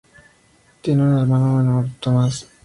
Tiene un hermano menor, Thomas.